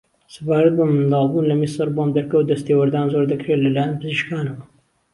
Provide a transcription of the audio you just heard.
سەبارەت بە منداڵبوون لە میسر بۆم دەرکەوت دەستێوەردان زۆر دەکرێ لە لایەن پزیشکانەوە